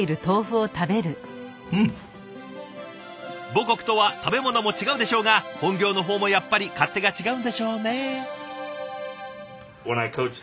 母国とは食べ物も違うでしょうが本業の方もやっぱり勝手が違うんでしょうね。